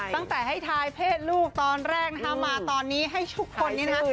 ตั้งแต่ให้ทายเพศลูกตอนแรกนะคะมาตอนนี้ให้ทุกคนนี้นะคะ